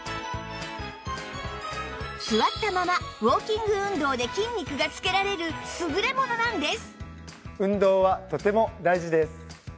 座ったままウォーキング運動で筋肉が付けられる優れものなんです